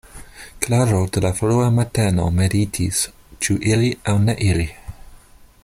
Klaro de la frua mateno meditis: ĉu iri, aŭ ne iri?